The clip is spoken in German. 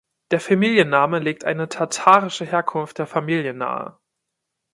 Der Familienname legt eine tatarische Herkunft der Familie nahe.